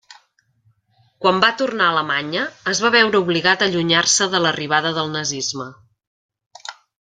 Quan va tornar a Alemanya, es va veure obligat a allunyar-se de l'arribada del nazisme.